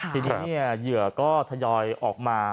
ทีนี้เหยื่อก็ทยอยออกมา